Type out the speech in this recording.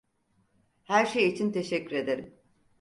Her şey için teşekkür ederim.